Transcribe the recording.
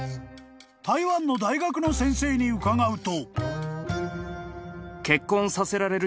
［台湾の大学の先生に伺うと］